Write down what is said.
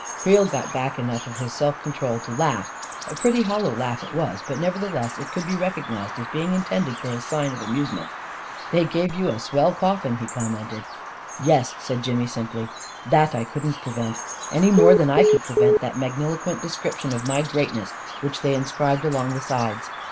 Creel got back enough of his self control to laugh — a pretty hollow laugh it was, but nevertheless it could be recognized as being intended for a sign of amusement. ," They gave you a swell coffin 1 " he commented. 11 Yes," said Jimmy simply, " that I couldn't pre vent — any more than I could prevent that magnilo quent description of my greatness which they in scribed along the sides.